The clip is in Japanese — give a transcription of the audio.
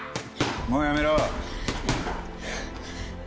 もうやめろ。